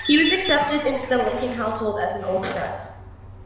He was accepted into the Lincoln household as an old friend.